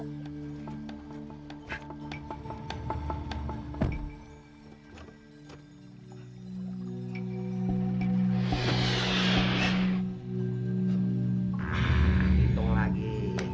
nah hitung lagi